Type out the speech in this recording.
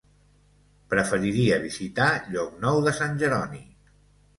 Preferiria visitar Llocnou de Sant Jeroni.